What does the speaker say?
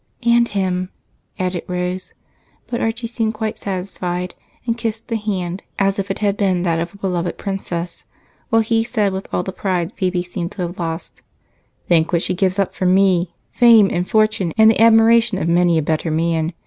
"And him," added Rose, but Archie seemed quite satisfied and kissed the hand he held as if it had been that of a beloved princess while he said with all the pride Phebe seemed to have lost: "Think what she gives up for me fame and fortune and the admiration of many a better man.